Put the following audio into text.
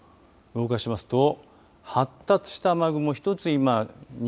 動かしますと発達した雨雲一つ今西